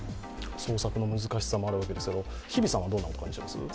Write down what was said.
捜索の難しさもあるわけですけれども、日比さんはどう思いますか？